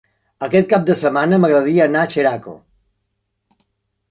Aquest cap de setmana m'agradaria anar a Xeraco.